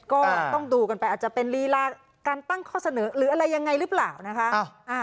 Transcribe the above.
ก็ต้องดูกันไปอาจจะเป็นลีลาการตั้งข้อเสนอหรืออะไรยังไงหรือเปล่านะคะ